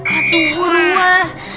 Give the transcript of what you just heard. aduh burung mah